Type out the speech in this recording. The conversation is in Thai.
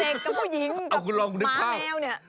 เก่งแต่กับเด็กกับผู้หญิงกับหมาแมวเนี่ย